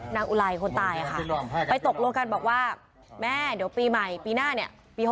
อุไลคนตายค่ะไปตกลงกันบอกว่าแม่เดี๋ยวปีใหม่ปีหน้าเนี่ยปี๖๐